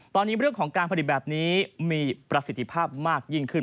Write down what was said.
ตอนนี้เรื่องของการผลิตแบบนี้มีประสิทธิภาพมากยิ่งขึ้น